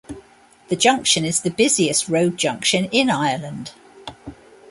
The junction is the busiest road junction in Ireland.